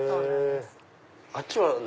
あっちは何？